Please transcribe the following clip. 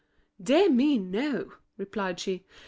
"Dear me, no!" replied she.